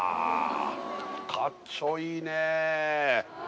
かっちょいいね